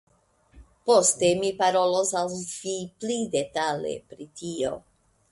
Poste mi parolos al vi pli detale pri tio.